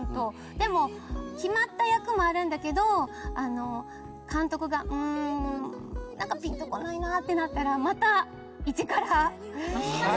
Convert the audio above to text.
でも決まった役もあるんだけど監督が「うん何かピンと来ないな」ってなったらまたいちから。